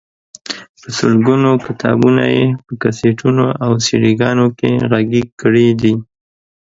په سلګونو کتابونه یې په کیسټونو او سیډيګانو کې غږیز کړي دي.